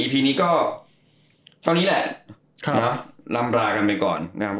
ทีนี้ก็เท่านี้แหละลำรากันไปก่อนนะครับ